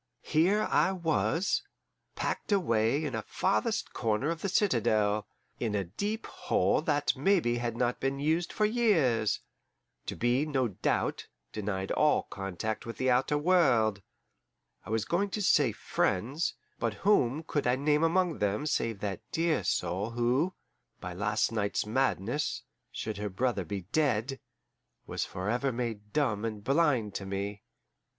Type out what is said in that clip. Here I was, packed away in a farthest corner of the citadel, in a deep hole that maybe had not been used for years, to be, no doubt, denied all contact with the outer world I was going to say FRIENDS, but whom could I name among them save that dear soul who, by last night's madness, should her brother be dead, was forever made dumb and blind to me?